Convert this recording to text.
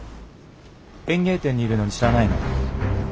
園芸店にいるのに知らないの？